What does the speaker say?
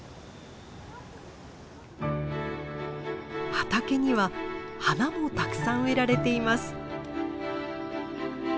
畑には花もたくさん植えられています。